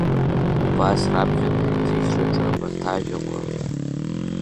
Убас раԥхьатәи аҭыжьраҿы абарҭ ажәақәа…